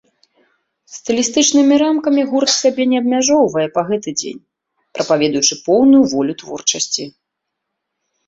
Стылістычнымі рамкамі гурт сябе не абмяжоўвае і па гэты дзень, прапаведуючы поўную волю творчасці.